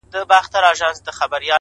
ځوان د خپلي خولگۍ دواړي شونډي قلف کړې;